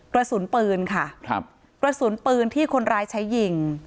กระสุนปืนค่ะครับกระสุนปืนที่คนร้ายใช้ยิง